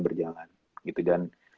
berjalan gitu dan